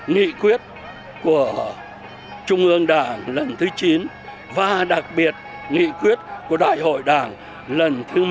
nghị quyết của trung ương đảng lần thứ chín và đặc biệt nghị quyết của đại hội đảng lần thứ một mươi ba